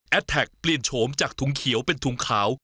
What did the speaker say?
แท็กเปลี่ยนโฉมจากถุงเขียวเป็นถุงขาว